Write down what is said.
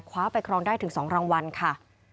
คว้าไปครองได้ถึง๒รางวัลค่ะ